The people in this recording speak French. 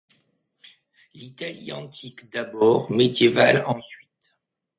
L'Italie antique d'abord, médiévale ensuite.